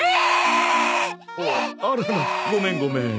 あららごめんごめん。